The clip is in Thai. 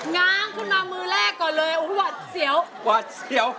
น้องคุณมามือแรกก่อนเลย